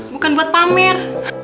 bukan buat pamer